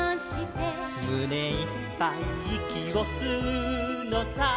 「むねいっぱいいきをすうのさ」